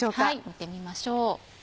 見てみましょう。